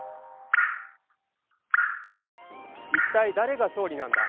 一体、誰が総理なんだ。